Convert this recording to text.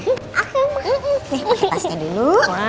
oke pasnya dulu